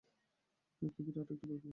এটা বিরাট একটা ব্যাপার।